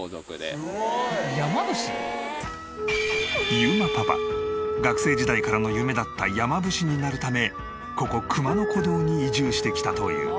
裕磨パパ学生時代からの夢だった山伏になるためここ熊野古道に移住してきたという。